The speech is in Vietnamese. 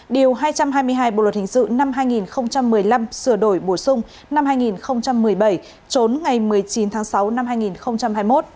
điều hai trăm hai mươi hai bộ luật hình sự năm hai nghìn một mươi năm sửa đổi bổ sung năm hai nghìn một mươi bảy trốn ngày một mươi chín tháng sáu năm hai nghìn hai mươi một